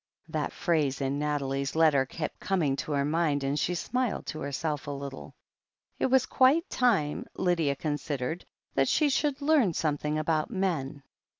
''' That phrase in Nathalie's letter kept coming to her mind, and she smiled to herself a little. It was quite time, Lydia considered, that she should learn something about men.